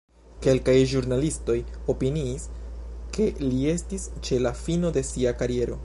Kelkaj ĵurnalistoj opiniis, ke li estis ĉe la fino de sia kariero.